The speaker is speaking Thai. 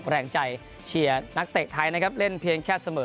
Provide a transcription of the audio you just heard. แรงใจเชียร์นักเตะไทยนะครับเล่นเพียงแค่เสมอ